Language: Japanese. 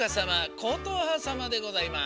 ことはさまでございます！